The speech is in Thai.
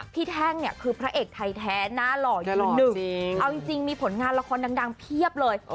แท่งเนี่ยคือพระเอกไทยแท้หน้าหล่อยืนหนึ่งเอาจริงมีผลงานละครดังเพียบเลย